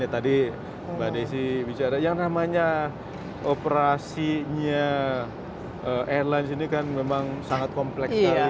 tadi mbak desi bicara yang namanya operasinya airlines ini kan memang sangat kompleks sekali